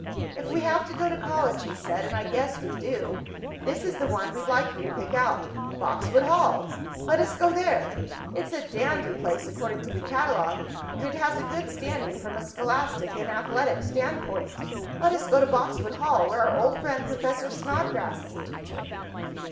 "If we have to go to college," he said, "and I guess we do, this is the one we'd like you to pick out Boxwood Hall! Let us go there! It's a dandy place, according to the catalogue, and it has a good standing from a scholastic and athletic standpoint. Let us go to Boxwood Hall, where our old friend, Professor Snodgrass, is a teacher."